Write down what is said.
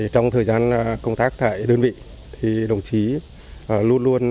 trong thời gian công tác tại đơn vị đồng chí luôn luôn thể hiện vai to cho đầu tàu hướng mẫu